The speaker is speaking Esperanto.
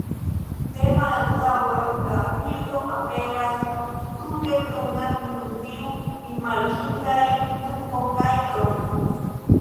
De malantaŭe la birdo aperas tute bruna kun tiu rimarkindaj nuko kaj krono.